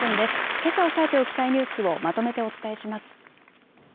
けさ押さえておきたいニュースをまとめてお伝えします。